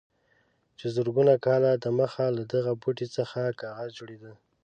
چې زرګونه کاله دمخه له دغه بوټي څخه کاغذ جوړېده.